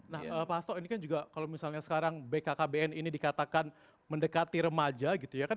nah pak hasto ini kan juga kalau misalnya sekarang bkkbn ini dikatakan mendekati remaja gitu ya kan